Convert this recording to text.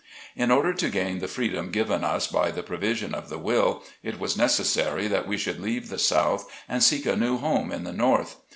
In order to gain the freedom given us by the pro vision of the will, it was necessary that we should leave the South, and seek a new home in the North.